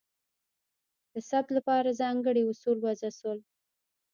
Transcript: د ثبت لپاره ځانګړي اصول وضع شول.